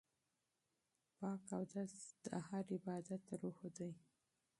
پاک اودس د هر عبادت روح دی.